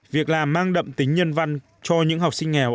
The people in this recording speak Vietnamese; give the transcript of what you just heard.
việc làm mang đậm tính nhân văn cho những học sinh nghèo